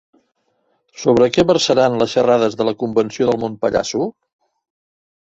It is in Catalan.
Sobre què versaran les xerrades de la Convenció del Món Pallasso?